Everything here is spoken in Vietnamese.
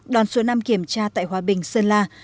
đoàn số năm kiểm tra tại hòa bình sơn la